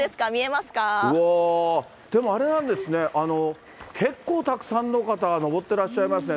わー、でもあれなんですね、結構たくさんの方、登ってらっしゃいますね。